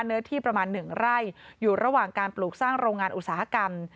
เนื้อที่ประมาณ๑ไร่อยู่ระหว่างการปลูกสร้างโรงงานอุตสาหกรรม